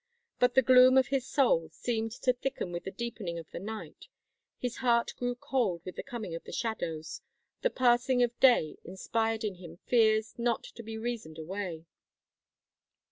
But the gloom of his soul seemed to thicken with the deepening of the night. His heart grew cold with the coming of the shadows. The passing of day inspired in him fears not to be reasoned away.